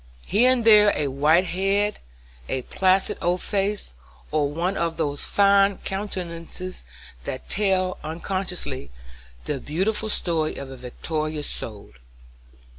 Here and there a white head, a placid old face, or one of those fine countenances that tell, unconsciously, the beautiful story of a victorious soul.